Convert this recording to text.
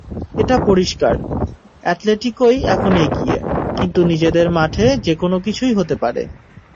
এটা পরিষ্কার, অ্যাটলেটিকোই এখন এগিয়ে, কিন্তু নিজেদের মাঠে যেকোনো কিছুই হতে পারে।